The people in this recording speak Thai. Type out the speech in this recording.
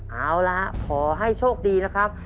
เอาละขอให้โชคดีนะครับ